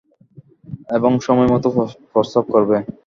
এবং সময়মতো প্রস্রাব করবে।